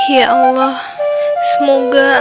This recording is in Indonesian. ya allah semoga